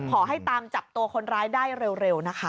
ขอให้ตามจับตัวคนร้ายได้เร็วนะคะ